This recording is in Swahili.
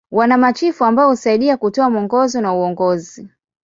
Wana machifu ambao husaidia kutoa mwongozo na uongozi.